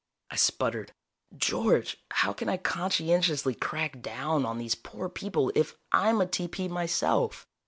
I sputtered. "George, how can I conscientiously crack down on these poor people, if I'm a TP myself?"